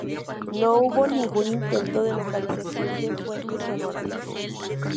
No hubo ningún intento de localización de fuentes sonoras.